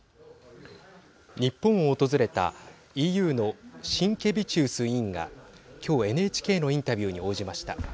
日本を訪れたＥＵのシンケビチュウス委員が今日、ＮＨＫのインタビューに応じました。